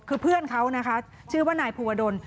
คือเพื่อนเขานะคะชื่อว่านายภูวดล